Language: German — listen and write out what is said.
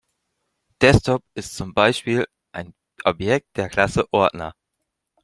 Desktop ist zum Beispiel ein Objekt der Klasse Ordner.